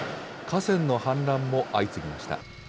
河川の氾濫も相次ぎました。